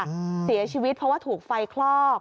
เสียชีวิตเพราะว่าถูกไฟคลอก